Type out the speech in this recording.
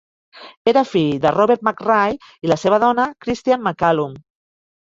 Era fill de Robert Machray i la seva dona Christian Macallum.